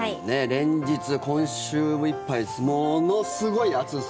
連日、今週いっぱいものすごい暑さ。